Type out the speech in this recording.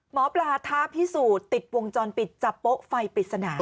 หมอปลาท้าพิสูจน์ติดวงจรปิดจับโป๊ะไฟปริศนา